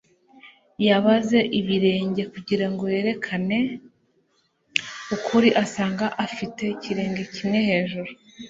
Yabaze ibirenge kugirango yerekane ukuri asanga afite ikirenge kimwe hejuru.